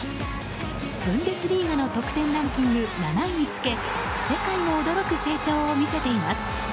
ブンデスリーガの得点ランキング７位につけ世界も驚く成長を見せています。